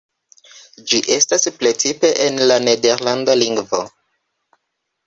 Ĝi estas precipe en la nederlanda lingvo.